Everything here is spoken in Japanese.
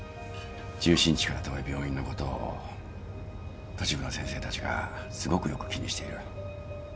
中心地から遠い病院のことを都市部の先生たちがすごくよく気にしている。